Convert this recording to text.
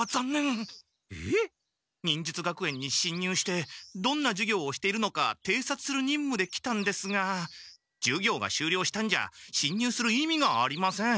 忍術学園にしんにゅうしてどんな授業をしているのかていさつするにんむで来たんですが授業がしゅうりょうしたんじゃしんにゅうする意味がありません。